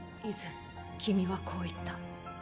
以前君はこう言った。